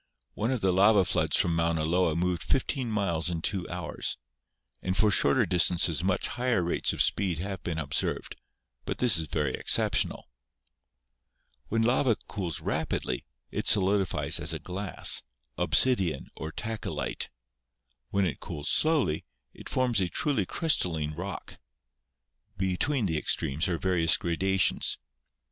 One of the lava floods from Mauna Loa moved fifteen miles in two hours, and for shorter dis tances much higher rates of speed have been observed; but this is very exceptional. When lava cools rapidly, it solidifies as a glass — obsidian or tachylite. When it cools slowly, it forms a truly crystal line rock. Between the extremes are various gradations.